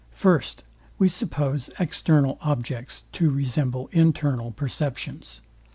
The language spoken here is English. First, We suppose external objects to resemble internal perceptions.